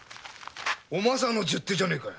おまさの十手じゃねぇか。